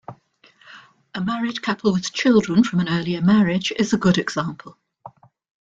A married couple with children from an earlier marriage is a good example.